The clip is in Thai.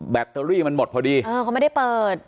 ตเตอรี่มันหมดพอดีเออเขาไม่ได้เปิด